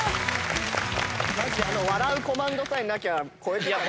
マジで笑うコマンドさえなきゃ超えてたよ。